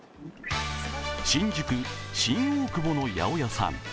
新宿・新大久保の八百屋さん。